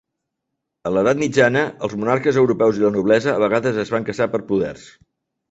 A l'edat mitjana, els monarques europeus i la noblesa a vegades es van casar per poders.